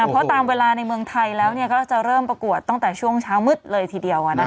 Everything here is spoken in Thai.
เพราะตามเวลาในเมืองไทยแล้วก็จะเริ่มประกวดตั้งแต่ช่วงเช้ามืดเลยทีเดียว